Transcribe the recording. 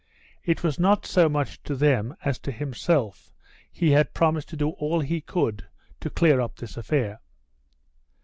It was not so much to them as to himself he had promised to do all he could to clear up this affair.